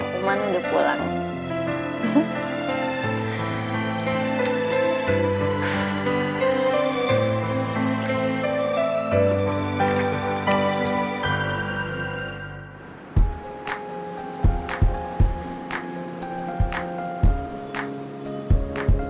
roman udah pulang